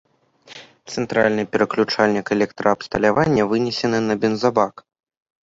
Цэнтральны пераключальнік электраабсталявання вынесены на бензабак.